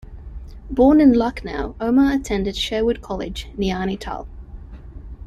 Born in Lucknow, Omar attended Sherwood College, Naini Tal.